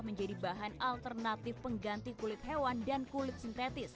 menjadi bahan alternatif pengganti kulit hewan dan kulit sintetis